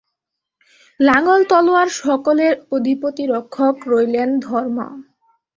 লাঙ্গল, তলওয়ার সকলের অধিপতি রক্ষক রইলেন ধর্ম।